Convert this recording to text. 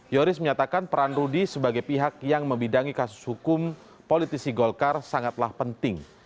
yoris menyatakan peran rudy sebagai pihak yang membidangi kasus hukum politisi golkar sangatlah penting